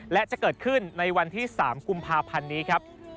และจะเกิดขึ้นในวันที่๓กุมภาพันธ์นี้ครับ